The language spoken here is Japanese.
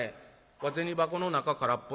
わっ銭箱の中空っぽや。